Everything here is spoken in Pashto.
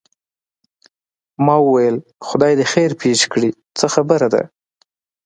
ما وویل خدای دې خیر پېښ کړي څه خبره ده.